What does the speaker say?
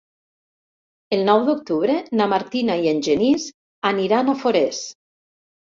El nou d'octubre na Martina i en Genís aniran a Forès.